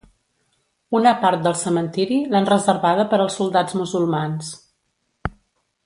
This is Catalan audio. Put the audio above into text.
Una part del cementiri l'han reservada per als soldats musulmans.